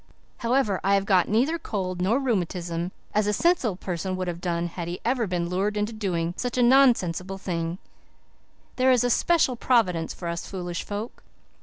However, I have got neither cold nor rheumatism, as a sensible person would have done had he ever been lured into doing such a non sensible thing; there is a special Providence for us foolish folk.